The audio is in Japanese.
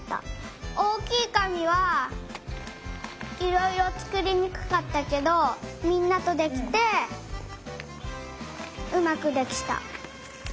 おおきいかみはいろいろつくりにくかったけどみんなとできてうまくできた。